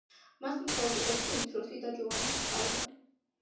მას მხოლოდ ერთი უმცროსი და, ჯოვანა ჰყავდა.